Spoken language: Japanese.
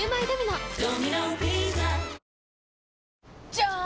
じゃーん！